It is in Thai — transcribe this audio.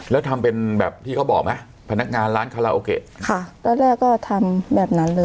แล้วทำเป็นแบบที่เขาบอกไหมพนักงานร้านคาราโอเกะค่ะตอนแรกก็ทำแบบนั้นเลย